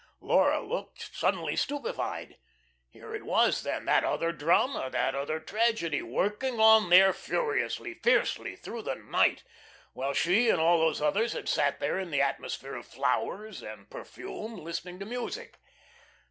Laura looked, suddenly stupefied. Here it was, then, that other drama, that other tragedy, working on there furiously, fiercely through the night, while she and all those others had sat there in that atmosphere of flowers and perfume, listening to music.